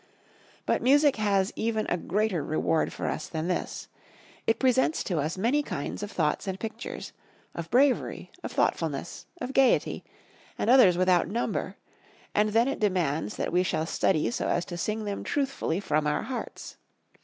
But music has even a greater reward for us than this. It presents to us many kinds of thoughts and pictures, of bravery, of thoughtfulness, of gaiety, and others without number and then it demands that we shall study so as to sing them truthfully from our hearts.